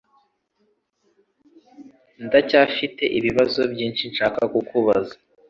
Ndacyafite ibibazo byinshi nshaka kubaza.